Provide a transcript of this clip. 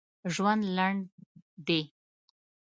ژوند لنډ دي!